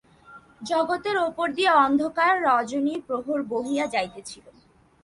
জগতের উপর দিয়া অন্ধকার রজনীর প্রহর বহিয়া যাইতেছিল।